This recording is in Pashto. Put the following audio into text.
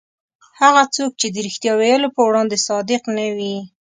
هغه څوک چې د رښتیا ویلو په وړاندې صادق نه وي.